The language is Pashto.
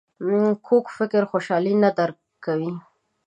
کوږ فکر خوشحالي نه درک کوي